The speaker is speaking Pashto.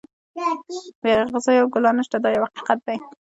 بې اغزیو ګلان نشته دا یو حقیقت دی.